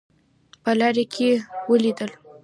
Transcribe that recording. په لاره کې ولیدل.